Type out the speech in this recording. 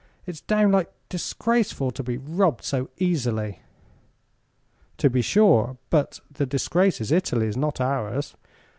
"It's downright disgraceful to be robbed so easily." "To be sure; but the disgrace is Italy's, not ours.